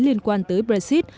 liên quan tới brexit